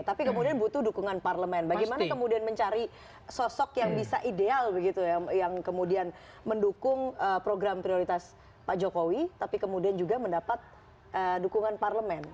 tapi kemudian butuh dukungan parlemen bagaimana kemudian mencari sosok yang bisa ideal begitu ya yang kemudian mendukung program prioritas pak jokowi tapi kemudian juga mendapat dukungan parlemen